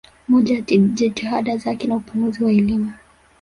Mojawapo ya jitihada zake ni upanuzi wa elimu